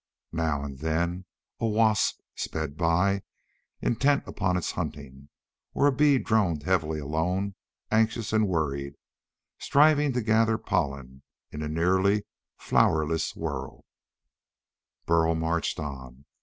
Now and then a wasp sped by, intent upon its hunting, or a bee droned heavily alone, anxious and worried, striving to gather pollen in a nearly flowerless world. Burl marched on.